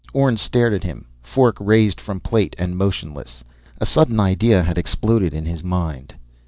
Orne stared at him, fork raised from plate and motionless. A sudden idea had exploded in his mind.